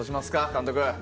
監督。